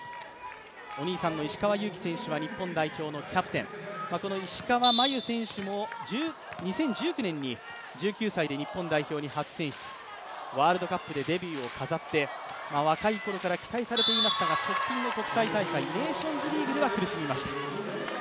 お兄さんの石川祐希選手は日本代表のキャプテン、この石川真佑選手も２０１９年に、１９歳で日本代表に初選出ワールドカップでデビューを飾り若いころから期待されていましたが直近の国際大会、ネーションズリーグでは苦しみました。